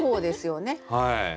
はい。